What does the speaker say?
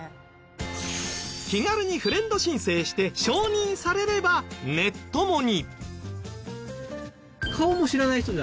気軽にフレンド申請して承認されればネッ友に。